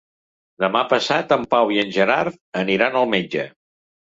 Demà passat en Pau i en Gerard aniran al metge.